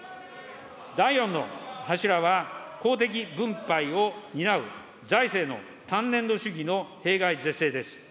第４の柱は、公的分配を担う財政の単年度主義の弊害是正です。